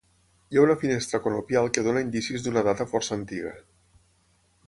Hi ha una finestra conopial que dóna indicis d'una data força antiga.